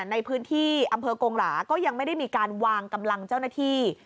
ในพื้นที่อำเภอกงหลาก็ยังไม่ได้มีการวางกำลังเจ้าหน้าที่